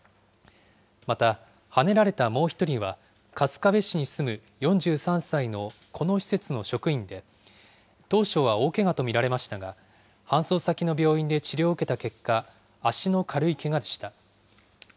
また、はねられたもう１人は、春日部市に住む４３歳のこの施設の職員で、当初は大けがと見られましたが、搬送先の病院で治療を受けた結果、足の軽いけがでした。